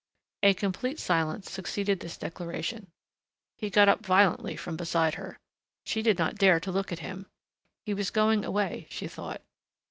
A complete silence succeeded this declaration. He got up violently from beside her. She did not dare look at him. He was going away, she thought.